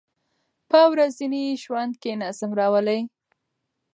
په ورځني ژوند کې نظم راولئ.